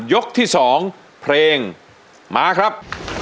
ยกที่๒เพลงมาครับ